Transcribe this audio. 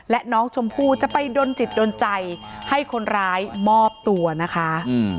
และน้องชมพู่จะไปดนจิตโดนใจให้คนร้ายมอบตัวนะคะ